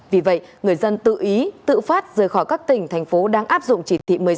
vì vậy người dân tự ý tự phát rời khỏi các tỉnh thành phố đang áp dụng chỉ thị một mươi sáu